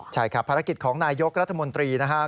ใช่ครับภารกิจของนายยกรัฐมนตรีนะครับ